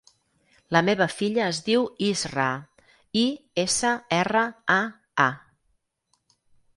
La meva filla es diu Israa: i, essa, erra, a, a.